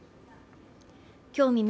今日未明